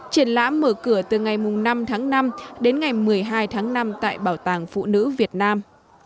triển lãm mở cửa từ ngày năm tháng năm đến ngày một mươi hai tháng năm tại bảo tàng phụ nữ việt nam